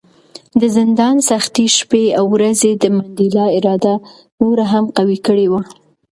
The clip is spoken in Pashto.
د زندان سختې شپې او ورځې د منډېلا اراده نوره هم قوي کړې وه.